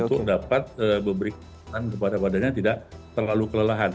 untuk dapat memberikan kepada badannya tidak terlalu kelelahan